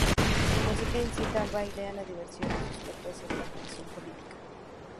Su música incita al baile, a la diversión; sus letras a la reflexión política.